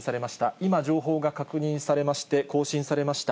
今、情報が確認されまして、更新されました。